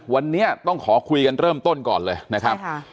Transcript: วันนี้ต้องขอคุยกันเริ่มต้นก่อนเลยนะครับ